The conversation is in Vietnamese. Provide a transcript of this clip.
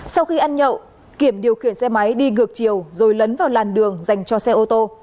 sau khi ăn nhậu kiểm điều khiển xe máy đi ngược chiều rồi lấn vào làn đường dành cho xe ô tô